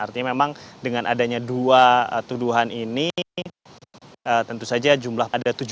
artinya memang dengan adanya dua tuduhan ini tentu saja jumlah